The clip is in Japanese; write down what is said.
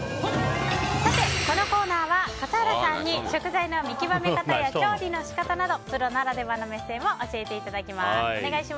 このコーナーは笠原さんに食材の見極め方や調理の仕方などプロならではの目線を教えてもらいます。